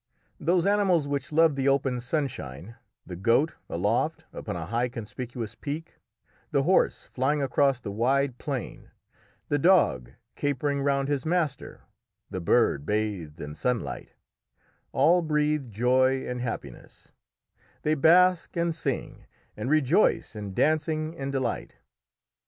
Those animals which love the open sunshine the goat aloft upon a high conspicuous peak, the horse flying across the wide plain, the dog capering round his master, the bird bathed in sunlight all breathe joy and happiness; they bask, and sing, and rejoice in dancing and delight.